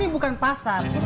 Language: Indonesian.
ini bukan pasar